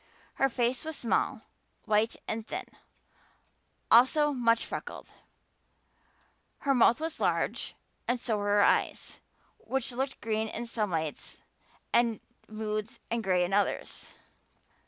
Her face was small, white and thin, also much freckled; her mouth was large and so were her eyes, which looked green in some lights and moods and gray in others.